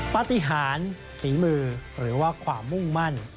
ปฏิหารฝีมือหรือว่าความมุ่งมั่น